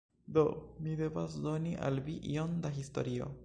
Do, mi devas doni al vi iom da historio.